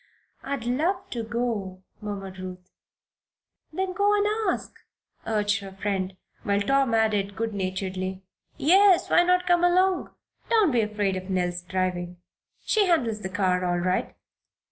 "I'd love to go," murmured Ruth. "Then run and ask," urged her friend, while Tom added, good naturedly: "Yes, why not come along? Don't be afraid of Nell's driving. She handles the car all right."